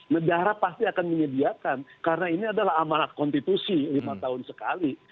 negara pasti akan menyediakan karena ini adalah amanat konstitusi lima tahun sekali